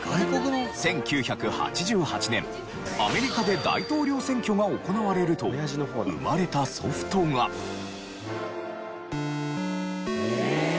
１９８８年アメリカで大統領選挙が行われると生まれたソフトが。え！